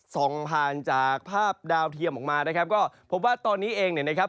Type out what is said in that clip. ส่องผ่านจากภาพดาวเทียมออกมานะครับก็พบว่าตอนนี้เองเนี่ยนะครับ